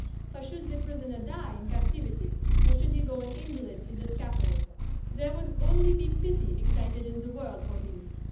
But should the prisoner die in captivity, or should he go an invalid to the scaffold, there would only be pity excited in the world for him.